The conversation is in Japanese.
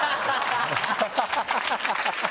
ハハハハ！